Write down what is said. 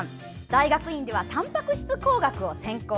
大学院ではタンパク質工学を専攻。